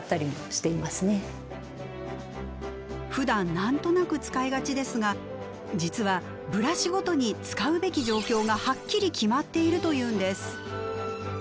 ふだん何となく使いがちですが実はブラシごとに使うべき状況がはっきり決まっているというんです。